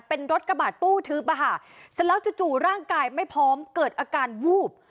เป็นรถกระบาดตู้ทึบอะค่ะเสร็จแล้วจู่ร่างกายไม่พร้อมเกิดอาการวูบ